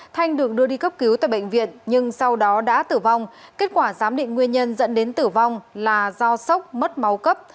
thanh được đưa đi cấp cứu tại bệnh viện nhưng sau đó đã tử vong kết quả giám định nguyên nhân dẫn đến tử vong là do sốc mất máu cấp